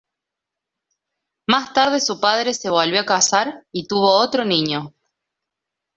Más tarde su padre se volvió a casar y tuvo otro niño.